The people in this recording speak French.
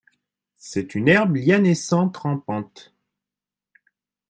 C'est une herbe lianescente rampante.